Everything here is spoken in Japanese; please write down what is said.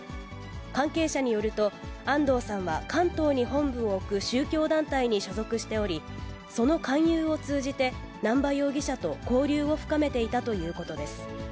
関係者によると、安藤さんは、関東に本部を置く宗教団体に所属しており、その勧誘を通じて、南波容疑者と交流を深めていたということです。